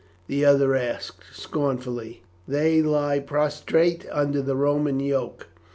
the other asked scornfully; "they lie prostrate under the Roman yoke.